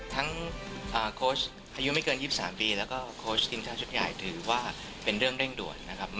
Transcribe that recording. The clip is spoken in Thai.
ทั้งโคชอายุไม่เกิน๒๓ปีก็โคชกิมข้าวชุดใหญ่ถือว่าเป็นเรื่องเร่งด่วนนะครับ